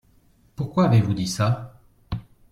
Pourquoi avez-vous dit ça ?